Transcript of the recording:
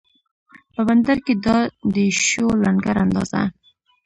په بندر کې دا دی شو لنګر اندازه